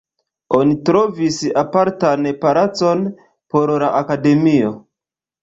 Oni trovis apartan palacon por la akademio.